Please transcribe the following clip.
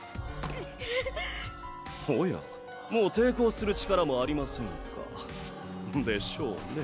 おやもう抵抗する力もありませんか。でしょうね。